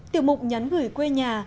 tiểu mục nhắn gửi quê nhà